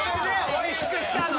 おいしくしたの！